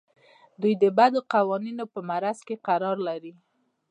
دوی د بدو قوانینو په معرض کې قرار لري.